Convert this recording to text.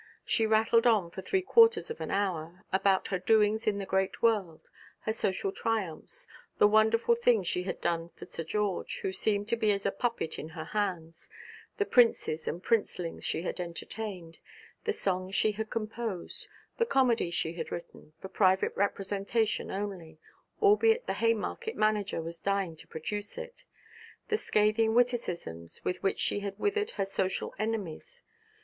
She rattled on for three quarters of an hour about her doings in the great world, her social triumphs, the wonderful things she had done for Sir George, who seemed to be as a puppet in her hands, the princes and princelings she had entertained, the songs she had composed, the comedy she had written, for private representation only, albeit the Haymarket manager was dying to produce it, the scathing witticisms with which she had withered her social enemies.